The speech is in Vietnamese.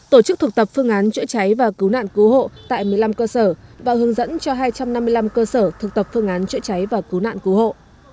tổ chức thực tập phương án chữa cháy và cứu nạn cứu hộ tại một mươi năm cơ sở và hướng dẫn cho hai trăm năm mươi năm cơ sở thực tập phương án chữa cháy và cứu nạn cứu hộ